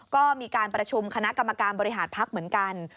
ก็มีการประชุมคณะกรรมการบริหารพักเหมือนกัน